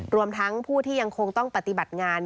รวมทั้งผู้ที่ยังคงต้องปฏิบัติงาน